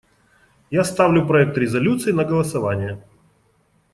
Я ставлю проект резолюции на голосование.